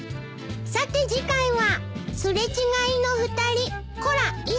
さて次回は。